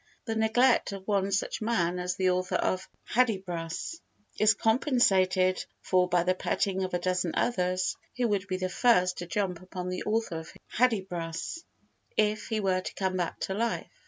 The neglect of one such man as the author of Hudibras is compensated for by the petting of a dozen others who would be the first to jump upon the author of Hudibras if he were to come back to life.